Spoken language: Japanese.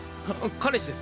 彼氏です。